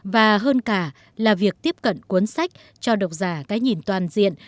và hơn cả là việc tiếp cận cuốn sách cho độc giả cái nhìn toàn diện